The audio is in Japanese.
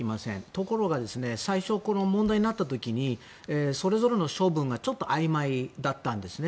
ところが最初、問題になった時にそれぞれの処分がちょっとあいまいだったんです。